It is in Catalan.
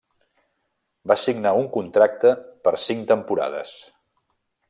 Va signar un contracte per cinc temporades.